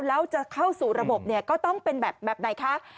แล้วจะเข้าสู่ระบบเนี่ยก็ต้องเป็นแบบไหนคะ